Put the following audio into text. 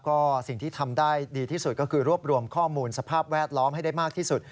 ก็สิ่งที่ทำได้ดีที่สุดก็คือรวบรวมข้อมูลสภาพแวดล้อมให้ได้มากที่สุด